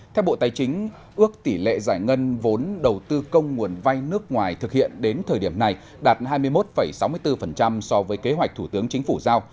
theo bộ tài chính ước tỷ lệ giải ngân vốn đầu tư công nguồn vay nước ngoài thực hiện đến thời điểm này đạt hai mươi một sáu mươi bốn so với kế hoạch thủ tướng chính phủ giao